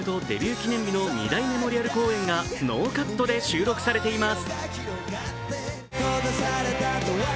記念日の２大メモリアル公演がノーカットで収録されています。